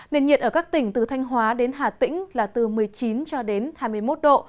nền nhiệt ở các tỉnh từ thanh hóa đến hà tĩnh là từ một mươi chín cho đến hai mươi một độ